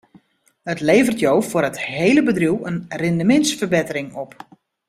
It leveret jo foar it hiele bedriuw in rindemintsferbettering op.